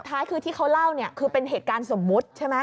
ท้ายคือที่เขาเล่าเนี่ยคือเป็นเหตุการณ์สมมุติใช่ไหม